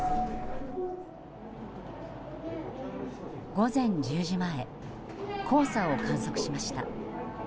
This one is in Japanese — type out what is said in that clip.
午前１０時前黄砂を観測しました。